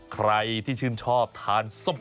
ใครที่ชื่นชอบทานส้ม